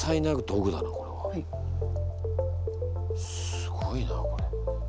すごいなこれ。